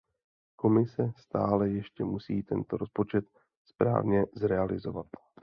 Komise stále ještě musí tento rozpočet správně zrealizovat.